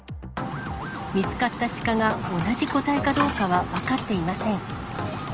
見つかったシカが同じ個体かどうかは分かっていません。